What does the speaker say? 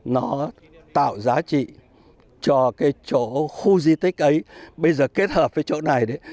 nó tạo giá trị cho cái chỗ khu di tích ấy bây giờ kết hợp với chỗ này đấy